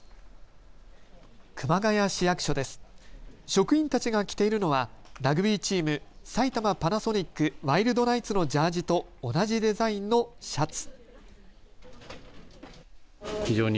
職員たちが着ているのはラグビーチーム埼玉パナソニックワイルドナイツのジャージと同じデザインのシャツ。